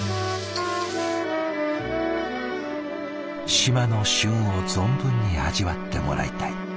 島の旬を存分に味わってもらいたい。